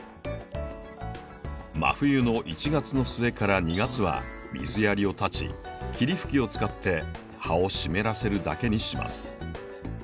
真冬の１月の末から２月は水やりを断ち霧吹きを使って葉を湿らせるだけにします。